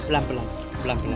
pelan pelan pelan pelan